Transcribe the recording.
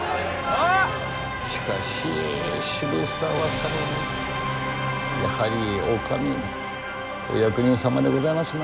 しかし渋沢様もやはりお上のお役人様でございますな。